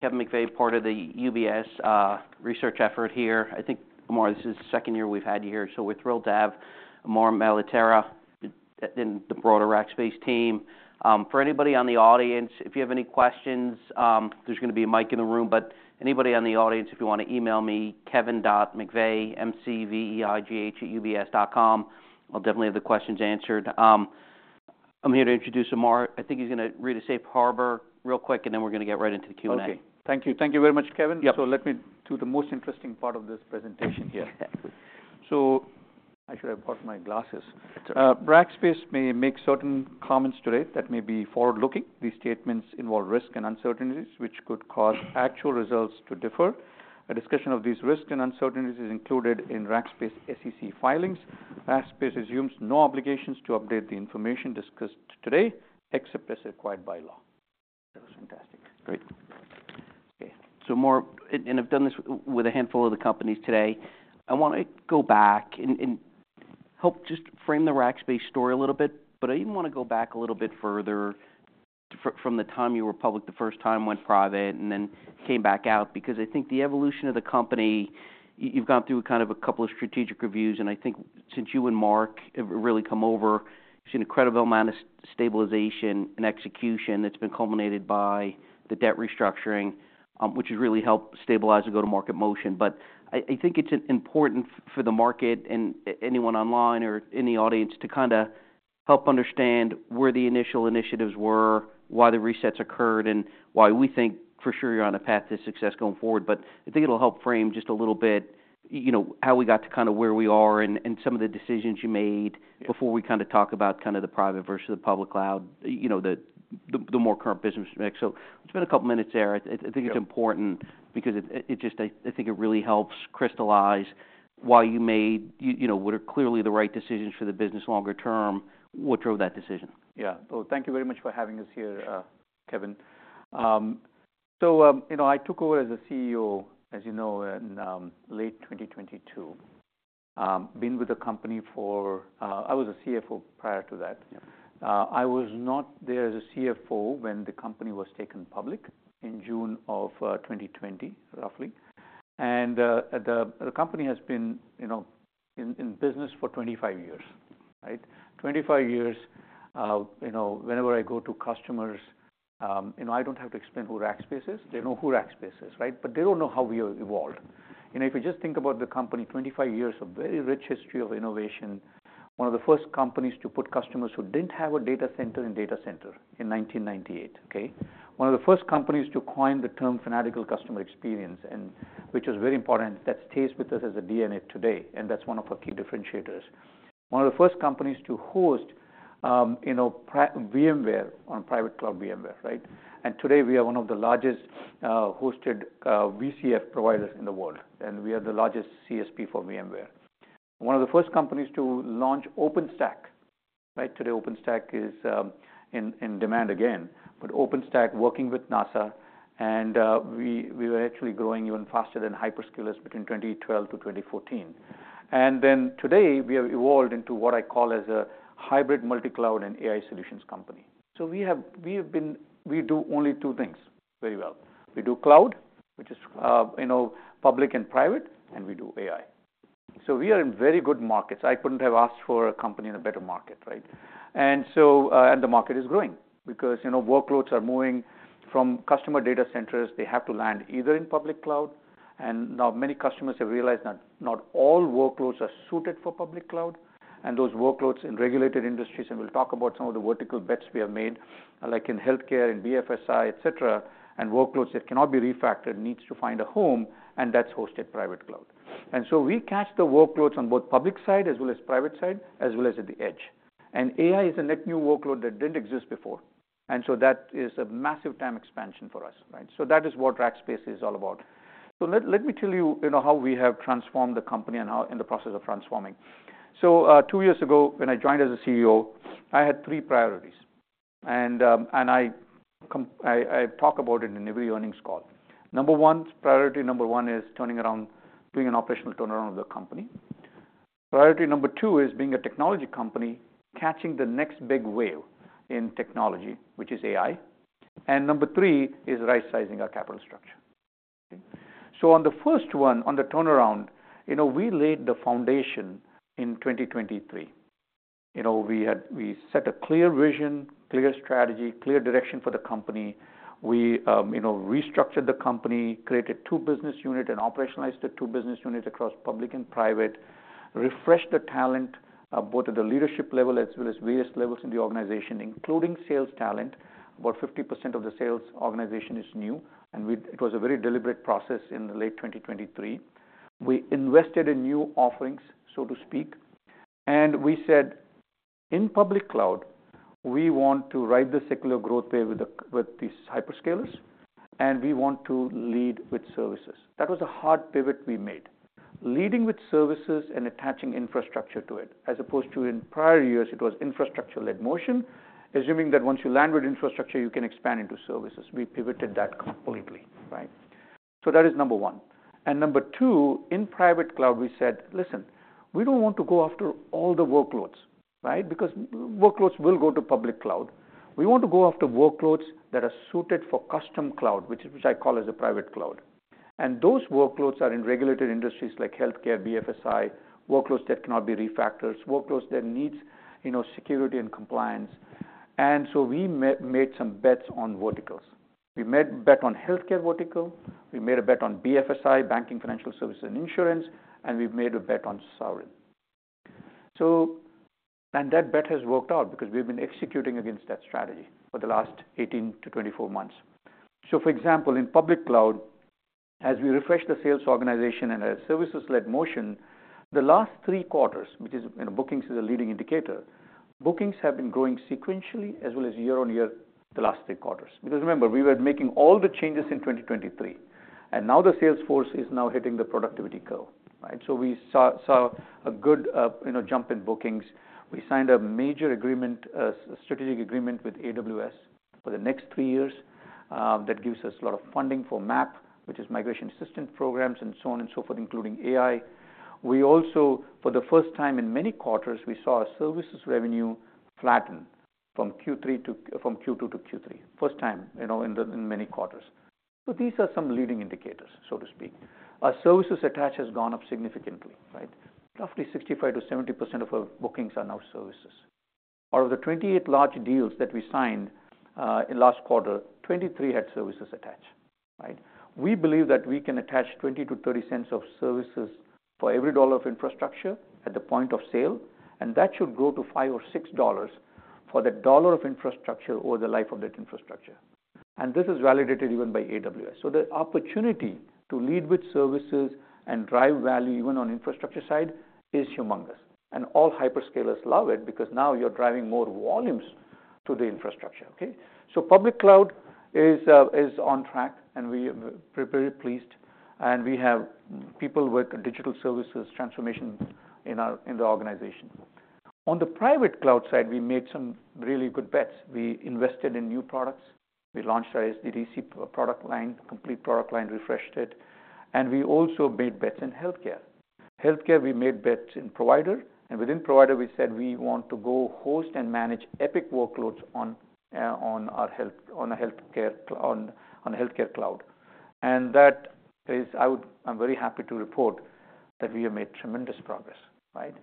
Kevin McVeigh, part of the UBS research effort here. I think, Amar, this is the second year we've had you here, so we're thrilled to have Amar Maletira and the broader Rackspace team. For anybody in the audience, if you have any questions, there's going to be a mic in the room. But anybody in the audience, if you want to email me, Kevin.McVeigh, M-C-V-E-I-G-H at UBS dot com. I'll definitely have the questions answered. I'm here to introduce Amar. I think he's going to read us Safe Harbor real quick, and then we're going to get right into the Q&A. OK. Thank you. Thank you very much, Kevin. So let me do the most interesting part of this presentation here. So I should have brought my glasses. That's all right. Rackspace may make certain comments today that may be forward-looking. These statements involve risk and uncertainties, which could cause actual results to differ. A discussion of these risks and uncertainties is included in Rackspace SEC filings. Rackspace assumes no obligations to update the information discussed today, except as required by law. That was fantastic. Great. OK. So Amar, and I've done this with a handful of the companies today. I want to go back and help just frame the Rackspace story a little bit. But I even want to go back a little bit further from the time you were public the first time, went private, and then came back out. Because I think the evolution of the company, you've gone through kind of a couple of strategic reviews. And I think since you and Mark have really come over, you've seen a credible amount of stabilization and execution that's been culminated by the debt restructuring, which has really helped stabilize the go-to-market motion. But I think it's important for the market and anyone online or any audience to kind of help understand where the initial initiatives were, why the resets occurred, and why we think for sure you're on a path to success going forward. But I think it'll help frame just a little bit how we got to kind of where we are and some of the decisions you made before we kind of talk about kind of the private versus the public cloud, the more current business mix. So, we spent a couple of minutes there. I think it's important because I think it really helps crystallize why you made what are clearly the right decisions for the business longer term. What drove that decision? Yeah, well, thank you very much for having us here, Kevin. So I took over as CEO, as you know, in late 2022. I've been with the company for I was a CFO prior to that. I was not there as a CFO when the company was taken public in June of 2020, roughly. And the company has been in business for 25 years. Right? 25 years, whenever I go to customers, I don't have to explain who Rackspace is. They know who Rackspace is. Right? But they don't know how we evolved. And if you just think about the company, 25 years of very rich history of innovation, one of the first companies to put customers who didn't have a data center in data center in 1998, OK? One of the first companies to coin the term Fanatical Customer Experience, which was very important, that stays with us as a DNA today, and that's one of our key differentiators. One of the first companies to host VMware on private cloud, VMware, right, and today, we are one of the largest hosted VCF providers in the world, and we are the largest CSP for VMware. One of the first companies to launch OpenStack, right? Today, OpenStack is in demand again, but OpenStack, working with NASA, and we were actually growing even faster than Hyperscalers between 2012 to 2014. And then today, we have evolved into what I call as a hybrid multi-cloud and AI solutions company, so we do only two things very well. We do cloud, which is public and private, and we do AI, so we are in very good markets. I couldn't have asked for a company in a better market. Right? And the market is growing because workloads are moving from customer data centers. They have to land either in public cloud. And now many customers have realized that not all workloads are suited for public cloud. And those workloads in regulated industries, and we'll talk about some of the vertical bets we have made, like in health care and BFSI, et cetera, and workloads that cannot be refactored need to find a home. And that's hosted private cloud. And so we catch the workloads on both public side as well as private side, as well as at the edge. And AI is a net new workload that didn't exist before. And so that is a massive TAM expansion for us. Right? So that is what Rackspace is all about. So let me tell you how we have transformed the company and how in the process of transforming. So two years ago, when I joined as a CEO, I had three priorities. And I talk about it in every earnings call. Number one, priority number one is turning around, doing an operational turnaround of the company. Priority number two is being a technology company, catching the next big wave in technology, which is AI. And number three is right-sizing our capital structure. So, on the first one, on the turnaround, we laid the foundation in 2023. We set a clear vision, clear strategy, clear direction for the company. We restructured the company, created two business units and operationalized the two business units across public and private, refreshed the talent both at the leadership level as well as various levels in the organization, including sales talent. About 50% of the sales organization is new. And it was a very deliberate process in late 2023. We invested in new offerings, so to speak. And we said, in public cloud, we want to ride the secular growth wave with these hyperscalers. And we want to lead with services. That was a hard pivot we made. Leading with services and attaching infrastructure to it, as opposed to in prior years, it was infrastructure-led motion, assuming that once you land with infrastructure, you can expand into services. We pivoted that completely. Right? So that is number one. And number two, in private cloud, we said, listen, "we don't want to go after all the workloads". Right? Because workloads will go to public cloud. We want to go after workloads that are suited for custom cloud, which I call as a private cloud. Those workloads are in regulated industries like Healthcare, BFSI, workloads that cannot be refactored, workloads that need security and compliance. And so, we made some bets on verticals. We made a bet on health care vertical. We made a bet on BFSI, banking, financial services, and insurance. And we've made a bet on Sovereign. And that bet has worked out because we've been executing against that strategy for the last 18-24 months. So for example, in Public Cloud, as we refresh the sales organization and as services-led motion, the last 3/4, which is bookings is a leading indicator, bookings have been growing sequentially as well as year on year the last three quarters. Because remember, we were making all the changes in 2023. And now the sales force is now hitting the productivity curve. Right? So we saw a good jump in bookings. We signed a major agreement, a strategic agreement with AWS for the next three years that gives us a lot of funding for MAP, which is Migration Assistance Programs, and so on and so forth, including AI. We also, for the first time in many quarters, we saw our services revenue flatten from Q2 to Q3, first time in many quarters. So these are some leading indicators, so to speak. Our services attach has gone up significantly. Right? Roughly 65%-70% of our bookings are now services. Out of the 28 large deals that we signed last quarter, 23 had services attached. Right? We believe that we can attach 20%-30% of services for every dollar of infrastructure at the point of sale. And that should grow to $5 or $6 for the dollar of infrastructure over the life of that infrastructure. And this is validated even by AWS. So, the opportunity to lead with services and drive value even on the infrastructure side is humongous. And all hyperscalers love it because now you're driving more volumes to the infrastructure. OK? So Public Cloud is on track. And we are very pleased. And we have people with digital services transformation in the organization. On the Private Cloud side, we made some really good bets. We invested in new products. We launched our SDDC product line, complete product line, refreshed it. And we also made bets in Healthcare. Healthcare, we made bets in provider. And within provider, we said we want to go host and manage Epic workloads on our healthcare cloud. And that is, I'm very happy to report that we have made tremendous progress. Right?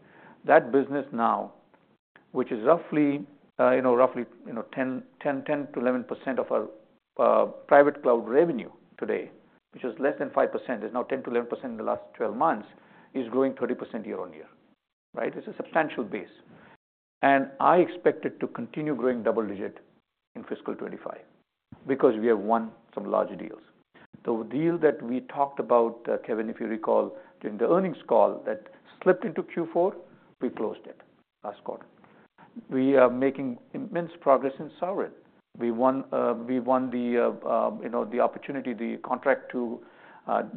That business now, which is roughly 10%-11% of our Private Cloud revenue today, which was less than 5%, is now 10%-11% in the last 12 months, is growing 30% year on year. Right? It's a substantial base. And I expect it to continue growing double digit in fiscal 2025 because we have won some large deals. The deal that we talked about, Kevin, if you recall, during the earnings call that slipped into Q4, we closed it last quarter. We are making immense progress in Sovereign. We won the opportunity, the contract to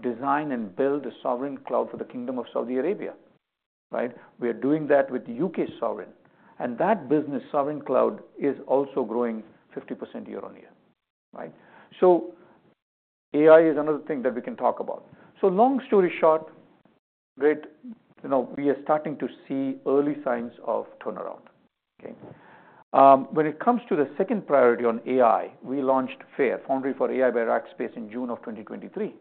design and build a Sovereign Cloud for the Kingdom of Saudi Arabia. Right? We are doing that with UK Sovereign. And that business, Sovereign Cloud, is also growing 50% year on year. Right? So, AI is another thing that we can talk about. So long story short, great. We are starting to see early signs of turnaround. OK? When it comes to the second priority on AI, we launched FAIR, Foundry for AI by Rackspace, in June of 2023.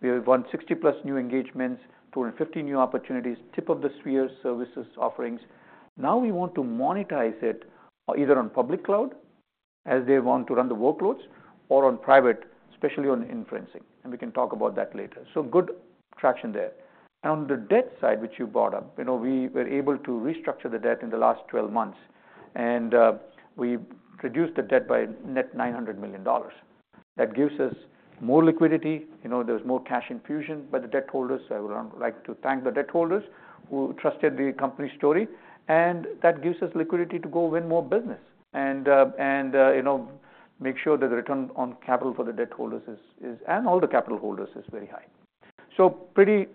We have won 60 plus new engagements, 250 new opportunities, tip of the spear services offerings. Now we want to monetize it either on Public Cloud, as they want to run the workloads, or on Private, especially on inferencing. And we can talk about that later. So good traction there. And on the debt side, which you brought up, we were able to restructure the debt in the last 12 months. And we reduced the debt by net $900 million. That gives us more liquidity. There's more cash infusion by the debt holders. So I would like to thank the debt holders who trusted the company's story. And that gives us liquidity to go win more business and make sure that the return on capital for the debt holders and all the capital holders is very high. So pretty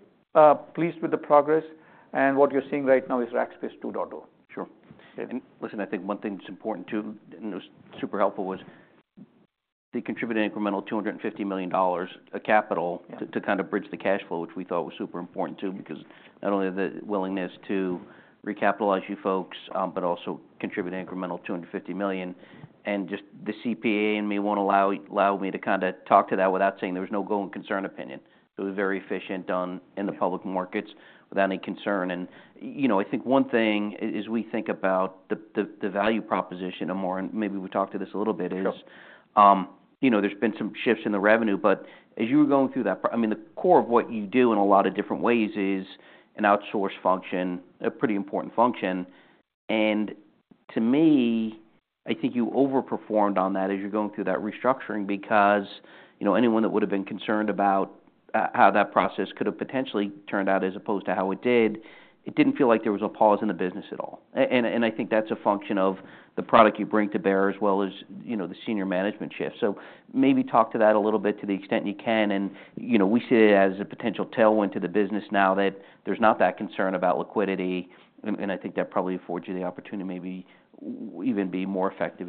pleased with the progress. And what you're seeing right now is Rackspace 2.0. Sure. And listen, I think one thing that's important too, and it was super helpful, was they contributed an incremental $250 million of capital to kind of bridge the cash flow, which we thought was super important too. Because not only the willingness to recapitalize you folks, but also contributed an incremental $250 million. And just the CPA in me won't allow me to kind of talk to that without saying there was no going concern opinion. It was very efficient in the public markets without any concern. And I think one thing is we think about the value proposition, and maybe we talked to this a little bit, is there's been some shifts in the revenue. But as you were going through that, I mean, the core of what you do in a lot of different ways is an outsource function, a pretty important function. And to me, I think you overperformed on that as you're going through that restructuring. Because anyone that would have been concerned about how that process could have potentially turned out as opposed to how it did, it didn't feel like there was a pause in the business at all. And I think that's a function of the product you bring to bear as well as the senior management shift. So maybe talk to that a little bit to the extent you can. And we see it as a potential tailwind to the business now that there's not that concern about liquidity. And I think that probably affords you the opportunity to maybe even be more effective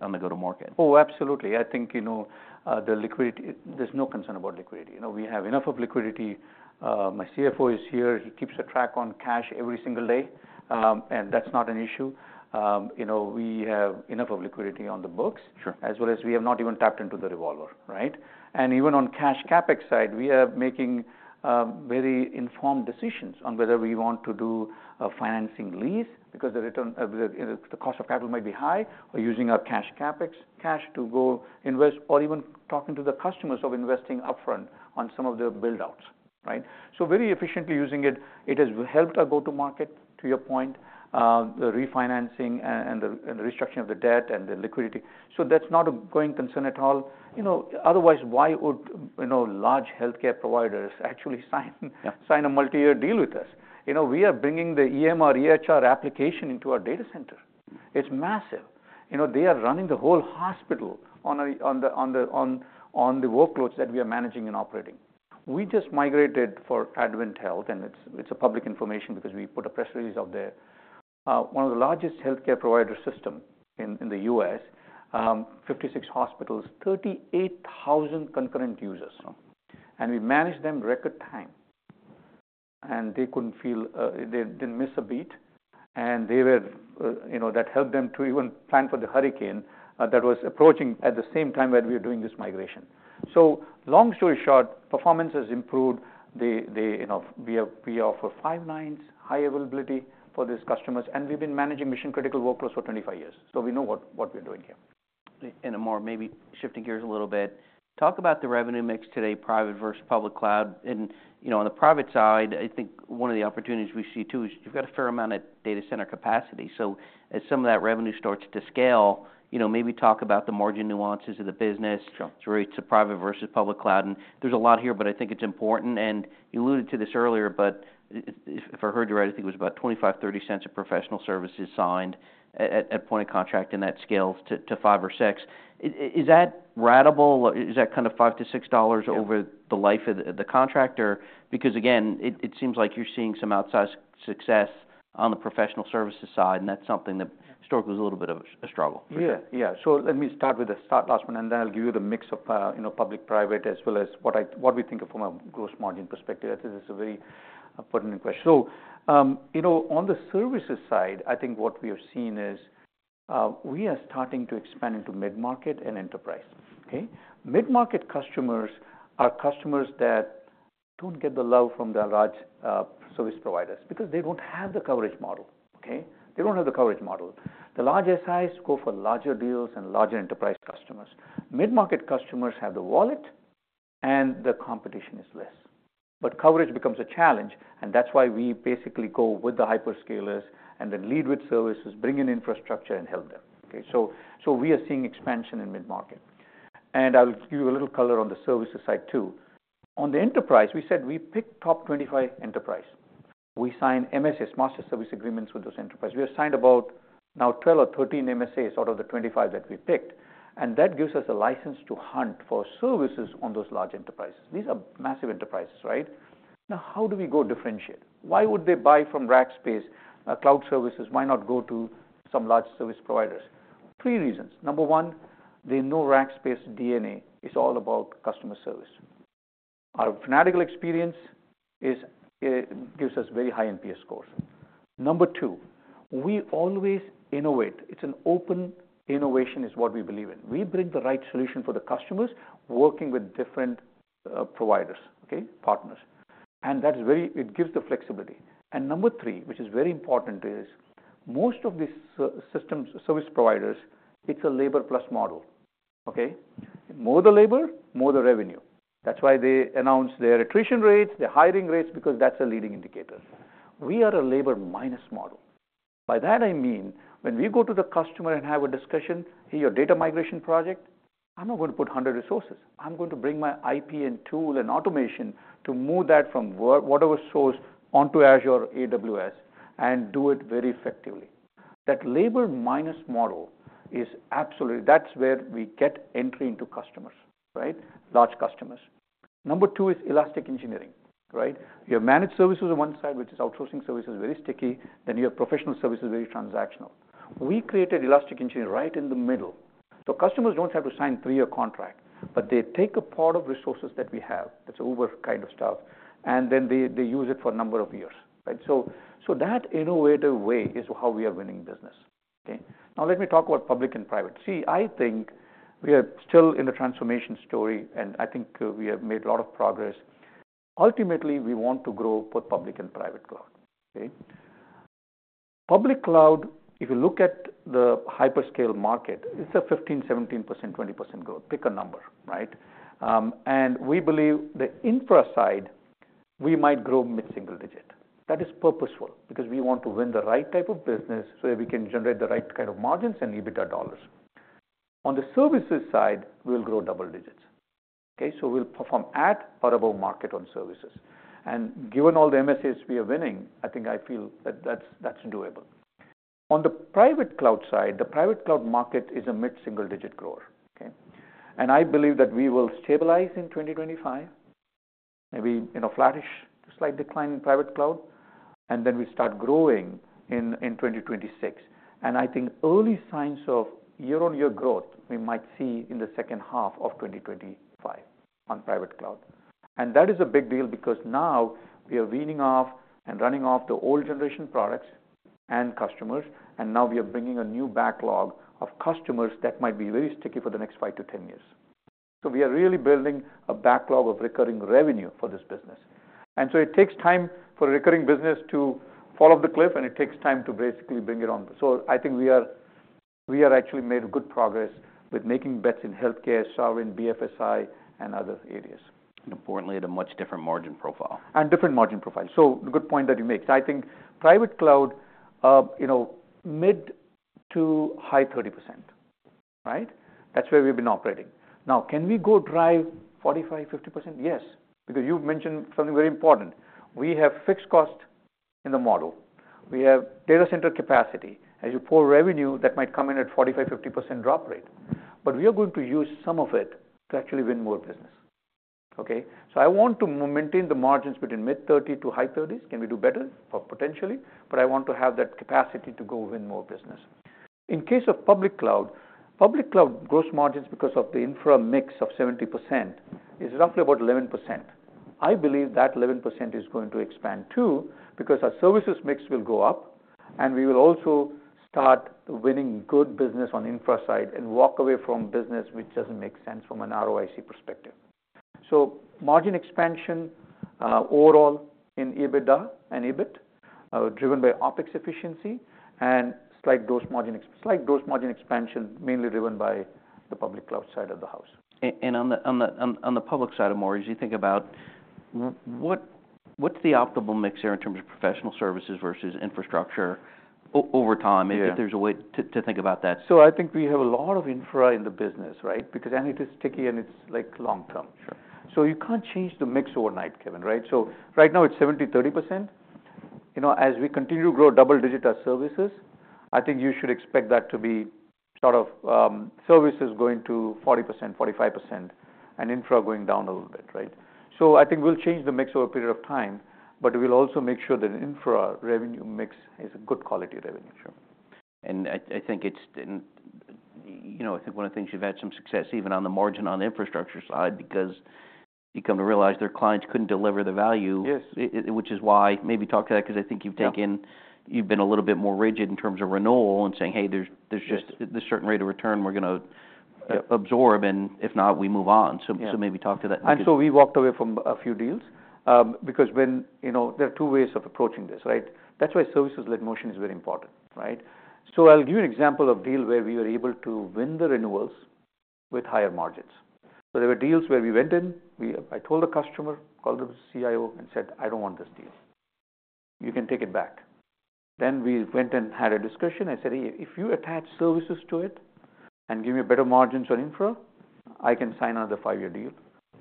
on the go-to-market. Oh, absolutely. I think there's no concern about liquidity. We have enough of liquidity. My CFO is here. He keeps track on cash every single day. And that's not an issue. We have enough of liquidity on the books, as well as we have not even tapped into the revolver. Right? And even on cash CapEx side, we are making very informed decisions on whether we want to do a financing lease because the cost of capital might be high, or using our cash CapEx cash to go invest, or even talking to the customers of investing upfront on some of the buildouts. Right? So very efficiently using it, it has helped our go-to-market, to your point, the refinancing and the restructuring of the debt and the liquidity. So that's not a growing concern at all. Otherwise, why would large healthcare providers actually sign a multi-year deal with us? We are bringing the EMR, EHR application into our data center. It's massive. They are running the whole hospital on the workloads that we are managing and operating. We just migrated for AdventHealth, and it's public information because we put a press release out there. One of the largest health care provider systems in the U.S., 56 hospitals, 38,000 concurrent users, and we managed them in record time, and that helped them to even plan for the hurricane that was approaching at the same time that we were doing this migration, so long story short, performance has improved. We offer five nines, high availability for these customers, and we've been managing mission-critical workloads for 25 years, so we know what we're doing here. In a moment, maybe shifting gears a little bit, talk about the revenue mix today, Private versus Public cloud. And on the private side, I think one of the opportunities we see too is you've got a fair amount of data center capacity. So as some of that revenue starts to scale, maybe talk about the margin nuances of the business, the rates of private versus public cloud. And there's a lot here, but I think it's important. And you alluded to this earlier, but if I heard you right, I think it was about 25%-30% of Professional Services signed at point of contract, and that scales to five or six. Is that ratable? Is that kind of $5-$6 over the life of the contract? Because again, it seems like you're seeing some outsized success on the Professional Services side. That's something that historically was a little bit of a struggle for you. Yeah. Yeah. So let me start with the last one, and then I'll give you the mix of public, private, as well as what we think of from a gross margin perspective. I think this is a very pertinent question, so on the services side, I think what we have seen is we are starting to expand into mid-market and enterprise. OK? Mid-market customers are customers that don't get the love from the large service providers because they don't have the coverage model. OK? They don't have the coverage model. The large SIs go for larger deals and larger enterprise customers. Mid-market customers have the wallet, and the competition is less, but coverage becomes a challenge. And that's why we basically go with the hyperscalers and then lead with services, bring in infrastructure, and help them. OK? So we are seeing expansion in mid-market. I'll give you a little color on the services side too. On the enterprise, we said we pick top 25 enterprise. We sign MSAs, Master Service Agreements, with those enterprises. We have signed about now 12 or 13 MSAs out of the 25 that we picked. That gives us a license to hunt for services on those large enterprises. These are massive enterprises. Right? Now, how do we go differentiate? Why would they buy from Rackspace Cloud Services? Why not go to some large service providers? Three reasons. Number one, they know Rackspace DNA is all about customer service. Our Fanatical Experience gives us very high NPS scores. Number two, we always innovate. It's an open innovation is what we believe in. We bring the right solution for the customers, working with different providers, OK? Partners. That gives the flexibility. And number three, which is very important, is most of these service providers. It's a labor plus model. OK? More the labor, more the revenue. That's why they announce their attrition rates, their hiring rates, because that's a leading indicator. We are a labor minus model. By that, I mean when we go to the customer and have a discussion, hey, your data migration project, I'm not going to put 100 resources. I'm going to bring my IP and tool and automation to move that from whatever source onto Azure or AWS and do it very effectively. That labor minus model is absolutely that's where we get entry into customers. Right? Large customers. Number two is Elastic Engineering. Right? You have Managed Services on one side, which is outsourcing services, very sticky. Then you have professional services, very transactional. We created Elastic Engineering right in the middle. Customers don't have to sign a three-year contract. But they take a part of resources that we have. That's an Uber kind of stuff. And then they use it for a number of years. Right? So, that innovative way is how we are winning business. OK? Now, let me talk about public and private. See, I think we are still in the transformation story. And I think we have made a lot of progress. Ultimately, we want to grow both public and private cloud. OK? Public Cloud, if you look at the hyperscale market, it's a 15%-20% growth. Pick a number. Right? And we believe the infra side, we might grow mid-single digit. That is purposeful because we want to win the right type of business so that we can generate the right kind of margins and EBITDA dollars. On the services side, we'll grow double digits. OK? So, we'll perform at or above market on services. And given all the MSAs we are winning, I think I feel that that's doable. On the Private Cloud side, the Private Cloud market is a mid-single-digit grower. OK? And I believe that we will stabilize in 2025, maybe flourish, just like decline in Private Cloud. And then we start growing in 2026. And I think early signs of year-on-year growth we might see in the second half of 2025 on Private Cloud. And that is a big deal because now we are weaning off and running off the old generation products and customers. And now we are bringing a new backlog of customers that might be very sticky for the next five to 10 years. So we are really building a backlog of recurring revenue for this business. And so, it takes time for a recurring business to fall off the cliff. And it takes time to basically bring it on. So, I think we have actually made good progress with making bets in Healthcare, Sovereign, BFSI, and other areas. Importantly, at a much different margin profile. And different margin profile. So, a good point that you make. So, I think Private Cloud, mid-30% to high 30%. Right? That's where we've been operating. Now, can we go drive 45%-50%? Yes. Because you've mentioned something very important. We have fixed cost in the model. We have data center capacity. As you pour revenue, that might come in at 45%-50% drop rate. But we are going to use some of it to actually win more business. OK? So I want to maintain the margins between mid-30% to high 30%. Can we do better? Potentially. But I want to have that capacity to go win more business. In case of Public Cloud, public cloud gross margins because of the infra mix of 70% is roughly about 11%. I believe that 11% is going to expand too because our services mix will go up. And we will also start winning good business on infra side and walk away from business which doesn't make sense from an ROIC perspective. So, margin expansion overall in EBITDA and EBIT, driven by OPEX efficiency. And slight gross margin expansion, mainly driven by the Public Cloud side of the house. On the public side of multi, as you think about what's the optimal mix here in terms of professional services versus infrastructure over time, if there's a way to think about that? So, I think we have a lot of infra in the business. Right? Because it is sticky and it's like long term. So, you can't change the mix overnight, Kevin. Right? So right now, it's 70%, 30%. As we continue to grow double digit our services, I think you should expect that to be sort of services going to 40%, 45%, and infra going down a little bit. Right? So, I think we'll change the mix over a period of time. But we'll also make sure that infra revenue mix is a good quality revenue. Sure. And I think one of the things you've had some success even on the margin on the infrastructure side because you come to realize their clients couldn't deliver the value, which is why maybe talk to that because I think you've been a little bit more rigid in terms of renewal and saying, hey, there's just this certain rate of return we're going to absorb. And if not, we move on. So maybe talk to that. And so, we walked away from a few deals because there are two ways of approaching this. Right? That's why services-led motion is very important. Right? So, I'll give you an example of a deal where we were able to win the renewals with higher margins. So, there were deals where we went in. I told the customer, called the CIO, and said, I don't want this deal. You can take it back. Then we went and had a discussion. I said, "hey, if you attach services to it and give me a better margin on infra, I can sign another five-year deal.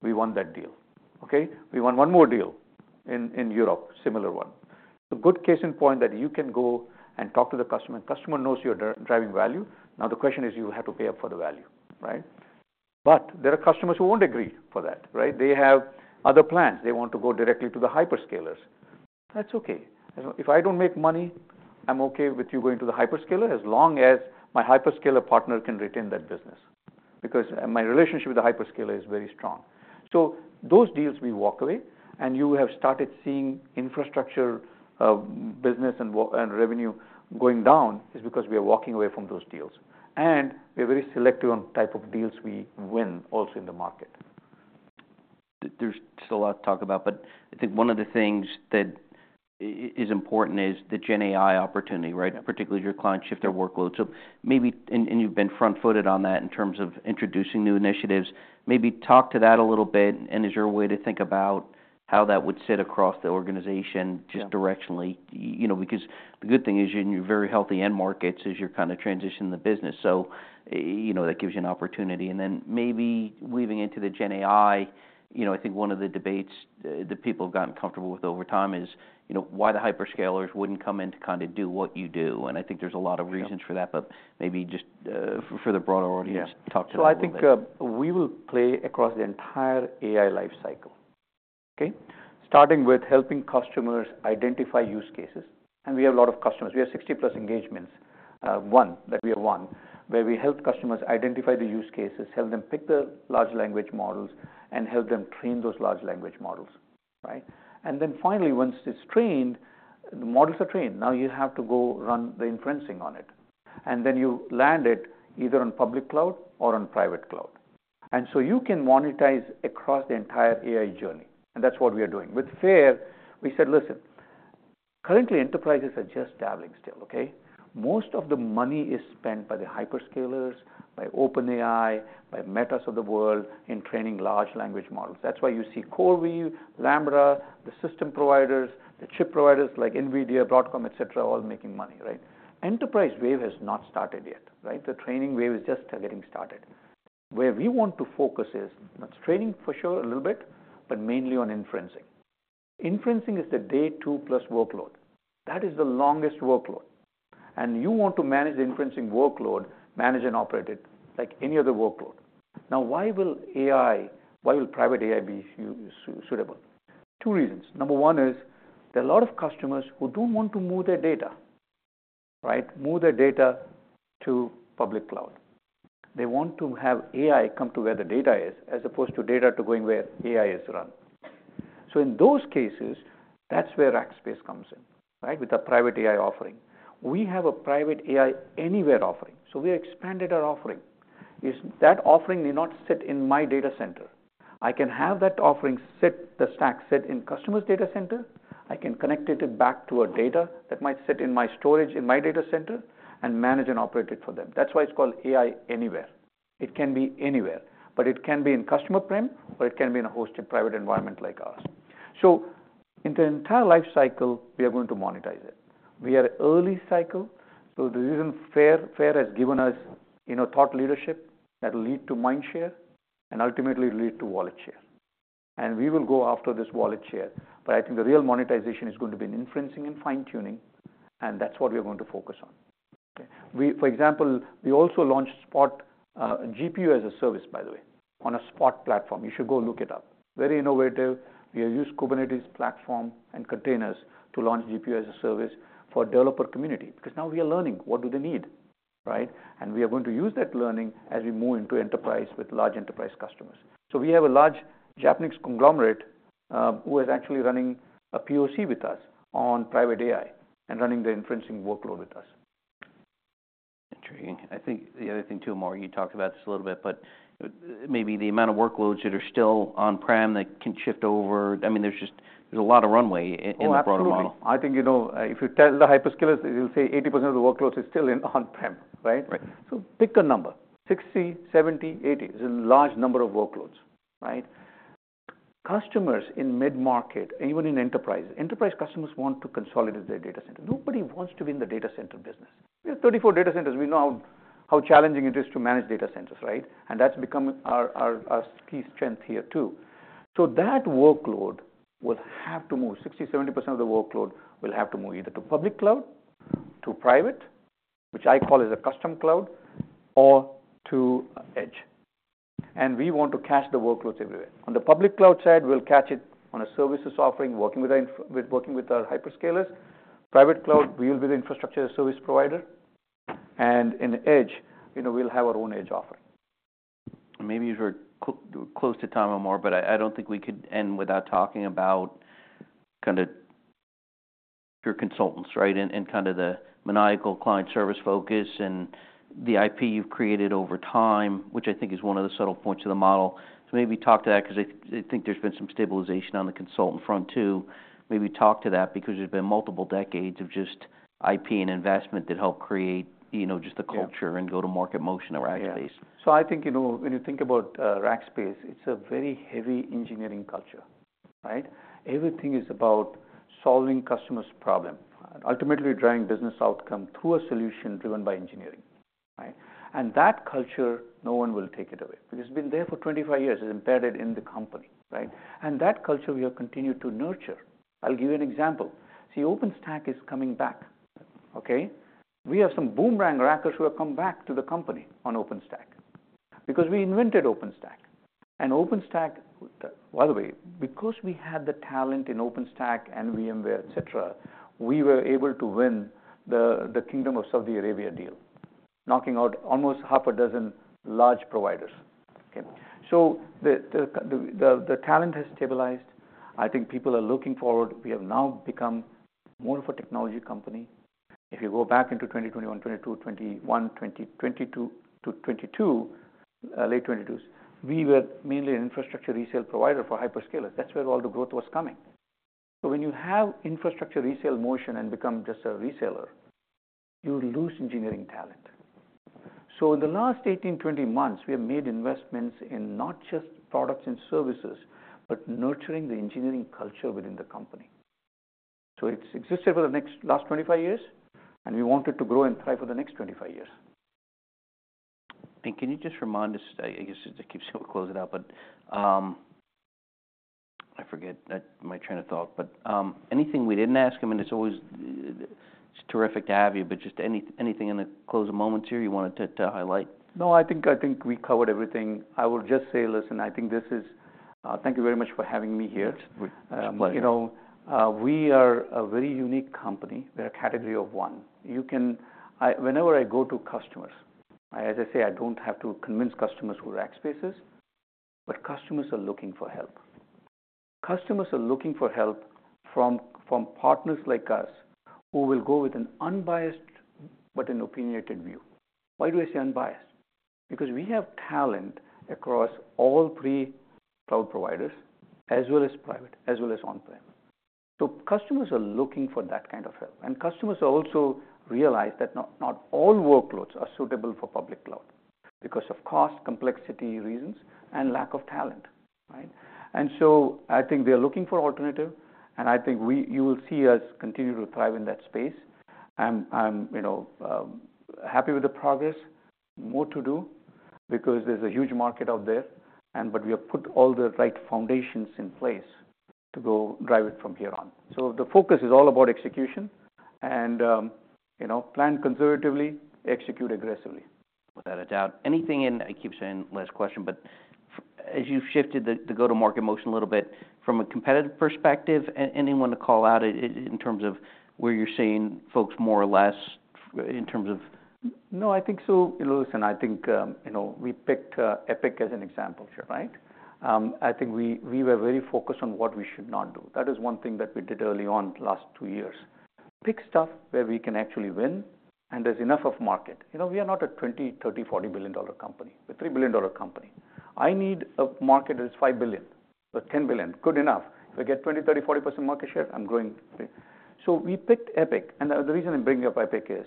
We want that deal." OK? We won one more deal in Europe, similar one. A good case in point that you can go and talk to the customer. And the customer knows you're driving value. Now, the question is, you have to pay up for the value. Right? But there are customers who won't agree for that. Right? They have other plans. They want to go directly to the hyperscalers. That's okay. If I don't make money, I'm okay with you going to the hyperscaler as long as my hyperscaler partner can retain that business because my relationship with the hyperscaler is very strong. So those deals we walk away. And you have started seeing infrastructure business and revenue going down is because we are walking away from those deals. And we are very selective on the type of deals we win also in the market. There's still a lot to talk about, but I think one of the things that is important is the GenAI opportunity, right, particularly as your clients shift their workloads. And you've been front-footed on that in terms of introducing new initiatives. Maybe talk to that a little bit. And is there a way to think about how that would sit across the organization just directionally? Because the good thing is you're very healthy end markets as you're kind of transitioning the business. So that gives you an opportunity. And then maybe weaving into the GenAI, I think one of the debates that people have gotten comfortable with over time is why the hyperscalers wouldn't come in to kind of do what you do. And I think there's a lot of reasons for that, but maybe just for the broader audience, talk to that a little bit. So, I think we will play across the entire AI lifecycle. OK? Starting with helping customers identify use cases. And we have a lot of customers. We have 60 plus engagements, one that we have won, where we help customers identify the use cases, help them pick the large language models, and help them train those large language models. Right? And then finally, once it's trained, the models are trained. Now you have to go run the inferencing on it. And then you land it either on public cloud or on private cloud. And so you can monetize across the entire AI journey. And that's what we are doing. With FAIR, we said, "listen, currently enterprises are just dabbling still." OK? Most of the money is spent by the hyperscalers, by OpenAI, by Meta's of the world in training Large Language Models. That's why you see CoreWeave, Lambda, the system providers, the chip providers like NVIDIA, Broadcom, et cetera, all making money. Right? Enterprise wave has not started yet. Right? The training wave is just getting started. Where we want to focus is training for sure a little bit, but mainly on inferencing. Inferencing is the day two plus workload. That is the longest workload. And you want to manage the inferencing workload, manage and operate it like any other workload. Now, why will Private AI be suitable? Two reasons. Number one is there are a lot of customers who don't want to move their data, right, move their data to public cloud. They want to have AI come to where the data is as opposed to data going where AI is run. So in those cases, that's where Rackspace comes in, right, with the Private AI offering. We have a Private AI Anywhere offering. So, we have expanded our offering. That offering may not sit in my data center. I can have that offering sit the stack set in customer's data center. I can connect it back to a data center that might sit in my storage in my data center and manage and operate it for them. That's why it's called AI Anywhere. It can be anywhere. But it can be in customer prem or it can be in a hosted private environment like ours. So in the entire lifecycle, we are going to monetize it. We are early cycle. So the reason FAIR has given us thought leadership that will lead to Mind Share and ultimately lead to Wallet Share. And we will go after this Wallet Share. But I think the real monetization is going to be in inferencing and fine-tuning. And that's what we are going to focus on. For example, we also launched GPU-as-a-Service, by the way, on a Spot platform. You should go look it up. Very innovative. We have used Kubernetes platform and containers to launch GPU-as-a-Service for a developer community because now we are learning what do they need. Right? And we are going to use that learning as we move into enterprise with large enterprise customers. So we have a large Japanese conglomerate who is actually running a POC with us on Private AI and running the inferencing workload with us. Intriguing. I think the other thing too, Amar, you talked about this a little bit. But maybe the amount of workloads that are still on prem that can shift over. I mean, there's just a lot of runway in the broader model. Absolutely. I think if you tell the hyperscalers, they'll say 80% of the workloads is still on prem. Right? So, pick a number, 60, 70, 80. There's a large number of workloads. Right? Customers in mid-market, even in enterprise, enterprise customers want to consolidate their data centers. Nobody wants to be in the data center business. We have 34 data centers. We know how challenging it is to manage data centers. Right? And that's become our key strength here too. So that workload will have to move. 60%, 70% of the workload will have to move either to Public Cloud, to Private, which I call is a Custom Cloud, or to Edge. And we want to catch the workloads everywhere. On the Public Cloud side, we'll catch it on a services offering working with our hyperscalers. Private Cloud, we will be the infrastructure service provider. In Edge, we'll have our own edge offering. Maybe you're close to time, Amar. But I don't think we could end without talking about kind of your consultants, right, and kind of the maniacal client service focus and the IP you've created over time, which I think is one of the subtle points of the model. So maybe talk to that because I think there's been some stabilization on the consultant front too. Maybe talk to that because there's been multiple decades of just IP and investment that help create just the culture and go-to-market motion around Rackspace. Yeah. So, I think when you think about Rackspace, it's a very heavy engineering culture. Right? Everything is about solving customers' problems, ultimately driving business outcome through a solution driven by engineering. Right? And that culture, no one will take it away. It's been there for 25 years. It's embedded in the company. Right? And that culture we have continued to nurture. I'll give you an example. See, OpenStack is coming back. OK? We have some Boomerang Rackers who have come back to the company on OpenStack because we invented OpenStack. And OpenStack, by the way, because we had the talent in OpenStack and VMware, et cetera, we were able to win the Kingdom of Saudi Arabia deal, knocking out almost half a dozen large providers. OK? So the talent has stabilized. I think people are looking forward. We have now become more of a technology company. If you go back into 2021, 2022, late 2022, we were mainly an infrastructure resale provider for hyperscalers. That's where all the growth was coming. So, when you have infrastructure resale motion and become just a reseller, you lose engineering talent. So, in the last 18, 20 months, we have made investments in not just products and services but nurturing the engineering culture within the company. So it's existed for the last 25 years, and we want it to grow and thrive for the next 25 years. And can you just remind us? I guess it's closing up. But I forget my train of thought. But anything we didn't ask? I mean, it's always terrific to have you. But just anything in the closing moments here you wanted to highlight? No, I think we covered everything. I will just say, listen, I think this is, thank you very much for having me here. It's a pleasure. We are a very unique company. We're a category of one. Whenever I go to customers, as I say, I don't have to convince customers who Rackspace is. But customers are looking for help. Customers are looking for help from partners like us who will go with an unbiased but an opinionated view. Why do I say unbiased? Because we have talent across all three cloud providers as well as private, as well as on-prem. So customers are looking for that kind of help. And customers also realize that not all workloads are suitable for ublic cloud because of cost, complexity reasons, and lack of talent. Right? And so I think they are looking for alternative. And I think you will see us continue to thrive in that space. I'm happy with the progress. More to do because there's a huge market out there. But we have put all the right foundations in place to go drive it from here on. So the focus is all about execution. And plan conservatively, execute aggressively. Without a doubt. Anything else? I keep saying last question, but as you've shifted the go-to-market motion a little bit from a competitive perspective, anyone to call out in terms of where you're seeing folks more or less in terms of? No, I think so. Listen, I think we picked Epic as an example. Right? I think we were very focused on what we should not do. That is one thing that we did early on the last two years. Pick stuff where we can actually win. And there's enough of market. We are not a $20 billion, $30 billion, $40 billion company. We're a $3 billion company. I need a market that is $5 billion or $10 billion. Good enough. If I get 20%, 30%, 40% market share, I'm growing. So we picked Epic. And the reason I'm bringing up Epic is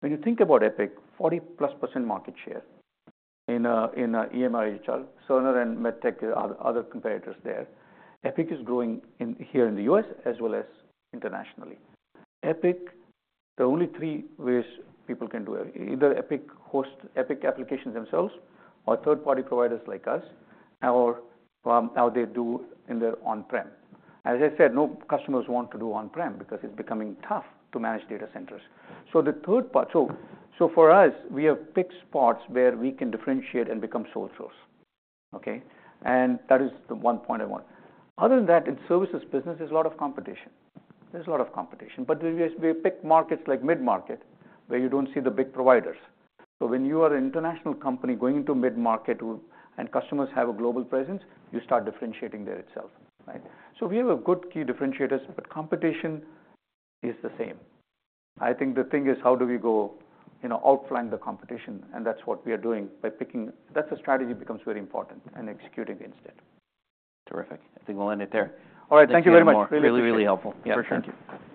when you think about Epic, 40-plus% market share in EMR/EHR, Cerner, and MEDITECH, other competitors there. Epic is growing here in the U.S. as well as internationally. Epic, the only three ways people can do it, either Epic host Epic applications themselves or third-party providers like us, or how they do in their on-prem. As I said, no customers want to do on-prem because it's becoming tough to manage data centers. So, for us, we have picked spots where we can differentiate and become sole source. OK? And that is the one point I want. Other than that, in services business, there's a lot of competition. There's a lot of competition. But we pick markets like mid-market where you don't see the big providers. So when you are an international company going into mid-market and customers have a global presence, you start differentiating there itself. Right? So we have good key differentiators. But competition is the same. I think the thing is how do we go outflank the competition. And that's what we are doing by picking. That's a strategy that becomes very important and executing instead. Terrific. I think we'll end it there. All right. Thank you very much. Really, really helpful. For sure. Yeah. Thank you.